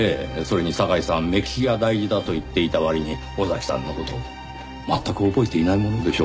それに酒井さん目利きが大事だと言っていた割に尾崎さんの事を全く覚えていないものでしょうかねぇ。